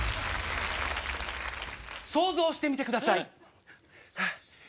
想像してみてください。